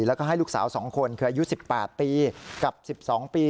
แล้วก็ให้ลูกสาว๒คนคืออายุ๑๘ปีกับ๑๒ปี